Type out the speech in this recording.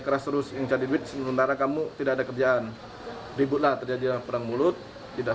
keras terus yang jadi duit sementara kamu tidak ada kerjaan ributlah terjadi perang mulut tidak